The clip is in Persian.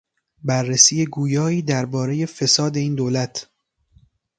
بررسی گویایی دربارهی فساد این دولت